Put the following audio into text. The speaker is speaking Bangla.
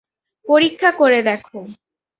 পরীক্ষা করে দেখো।